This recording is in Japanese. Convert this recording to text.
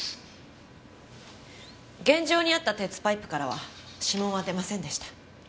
現場にあった鉄パイプからは指紋は出ませんでした。